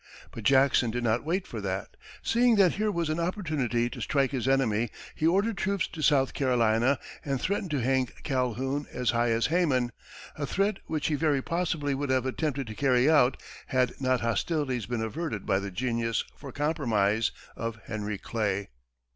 But Jackson did not wait for that. Seeing that here was an opportunity to strike his enemy, he ordered troops to South Carolina, and threatened to hang Calhoun as high as Haman a threat which he very possibly would have attempted to carry out had not hostilities been averted by the genius for compromise of Henry Clay.